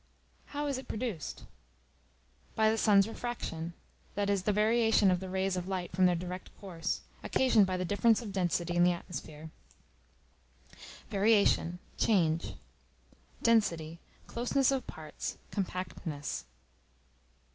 How is it produced? By the sun's refraction that is, the variation of the rays of light from their direct course, occasioned by the difference of density in the atmosphere. Variation, change. Density, closeness of parts, compactness.